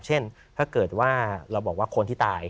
เช่นถ้าเกิดว่าเราบอกว่าคนที่ตาย